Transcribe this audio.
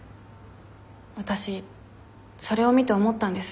わたしそれを見て思ったんです。